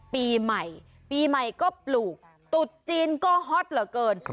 ปีใหม่ปีใหม่ก็ปลูกตุ๊ดจีนก็ฮอตเหลือเกิน